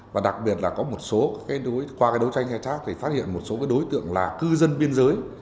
và đặc biệt là có một số cái đối qua cái đối tranh hay chắc thì phát hiện một số cái đối tượng là cư dân biên giới